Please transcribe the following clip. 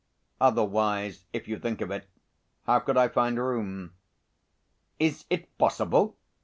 Otherwise, if you think of it, how could I find room?" "Is it possible?"